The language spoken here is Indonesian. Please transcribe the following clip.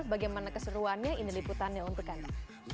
bagaimana keseruannya ini liputannya untuk anda